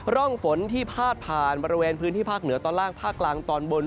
ร่องฝนที่พาดผ่านบริเวณพื้นที่ภาคเหนือตอนล่างภาคกลางตอนบน